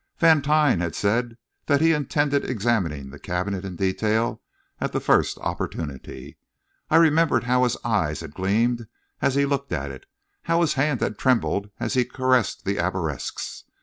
Vantine had said that he intended examining the cabinet in detail at the first opportunity; I remembered how his eyes had gleamed as he looked at it; how his hand had trembled as he caressed the arabesques.